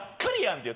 っていう。